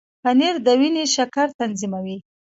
پنېر د وینې شکر تنظیموي.